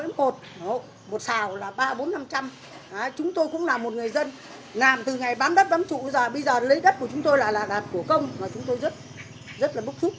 chúng tôi cũng là một người dân làm từ ngày bám đất bám trụ bây giờ lấy đất của chúng tôi là đặt của công mà chúng tôi rất là bốc xúc